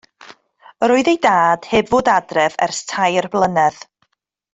Yr oedd ei dad heb fod adref ers tair blynedd.